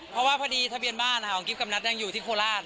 เพราะว่าพอดีทะเบียนบ้านของกิฟกับนัทยังอยู่ที่โคราช